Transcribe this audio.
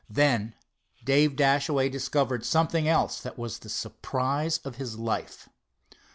Then Dave Dashaway discovered something else, that was the surprise of his life.